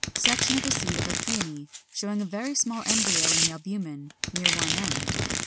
46. Section of a seed of a Peony, showing a very small embryo in the albumen, near one end.